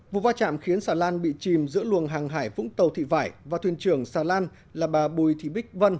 vụ va chạm khiến xà lan bị chìm giữa luồng hàng hải vũng tàu thị vải và thuyền trưởng xà lan là bà bùi thị bích vân